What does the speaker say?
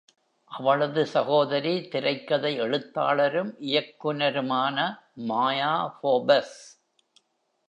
அவளது சகோதரி திரைக்கதை எழுத்தாளரும் இயக்குனருமான Maya Forbes.